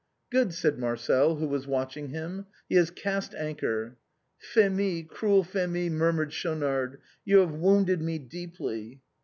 " Good," said Marcel, who was watching him, " he has cast anchor." " Phémie, cruel Phémie," murmured Schaunard, " you have wounded me deeply."